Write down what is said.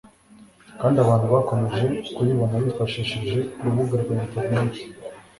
kandi abantu bakomeje kuyibona bifashishije urubuga rwa interineti